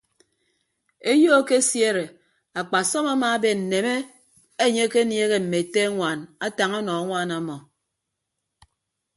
Eyo ekesiere akpasọm amaaben nneme enye ekeniehe mme ete añwaan atañ ọnọ añwaan ọmọ.